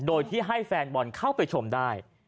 โดยที่ให้แฟนบอลเข้าไปชมได้